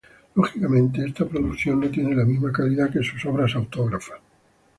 Lógicamente, esta producción no tiene la misma calidad que sus obras autógrafas.